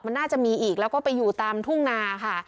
มันน่าจะมีอีกแล้วก็ไปอยู่ตามทุ่งนาค่ะ